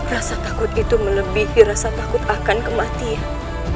rasa takut itu melebihi rasa takut akan kematian